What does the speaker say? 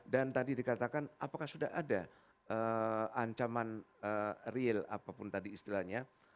tadi dikatakan apakah sudah ada ancaman real apapun tadi istilahnya